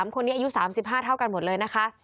๓คนนี้อายุ๓๕เท่ากันหมดเลยนะคะ